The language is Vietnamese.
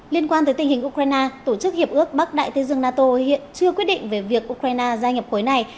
liên quan tới tình hình ukraine tổ chức hiệp ước bắc đại tây dương nato hiện chưa quyết định về việc ukraine gia nhập khối này